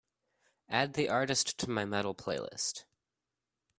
Add the artist to my Metal playlist.